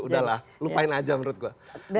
udah lah lupain aja menurut gue